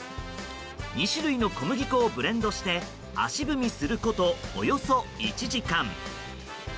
２種類の小麦粉をブレンドして足踏みすること、およそ１時間。